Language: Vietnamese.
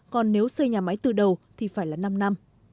còn nếu xây nhà máy từ đầu thì phải là năm năm